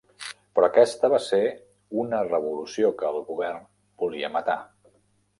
Però aquesta va ser una revolució que el govern volia matar.